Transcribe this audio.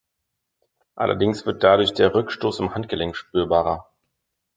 Allerdings wird dadurch der Rückstoß im Handgelenk spürbarer.